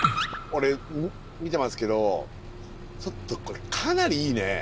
俺見てますけどちょっとこれかなりいいね。